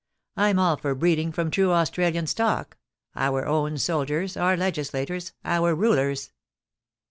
Fm all for breeding from true Austra lian stock : our own soldiers — our legislators — our rulers.'